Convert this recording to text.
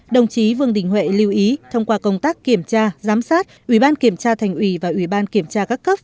đồng chí vương đình huệ lưu ý thông qua công tác kiểm tra giám sát ủy ban kiểm tra thành ủy và ủy ban kiểm tra các cấp